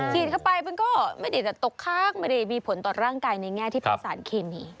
ฉีดเข้าไปมันก็ไม่ได้จะตกค้างไม่ได้มีผลต่อร่างกายในแง่ที่เป็นสารเคมี